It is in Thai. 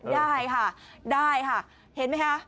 ได้ค่ะได้ค่ะเห็นไหมคะ